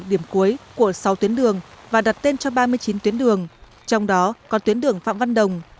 điểm cuối của sáu tuyến đường và đặt tên cho ba mươi chín tuyến đường trong đó có tuyến đường phạm văn đồng